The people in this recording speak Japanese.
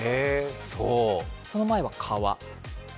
その前は川。